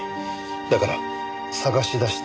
だから捜し出してほしい。